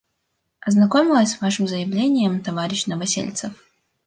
Ознакомилась с Вашим заявлением, товарищ Новосельцев.